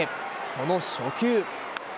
その初球。